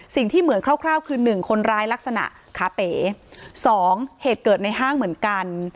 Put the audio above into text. สิ่งที่เหมือนคร่าวคือหนึ่งคนร้ายลักษณะขาเป๋สองเหตุเกิดในห้างเหมือนกัน